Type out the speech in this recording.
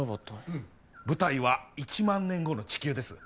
うん舞台は一万年後の地球です